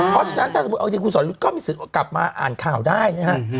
เพราะฉะนั้นถ้าสมมุติเอาจริงคุณสอยุทธ์ก็มีสิทธิ์กลับมาอ่านข่าวได้นะฮะ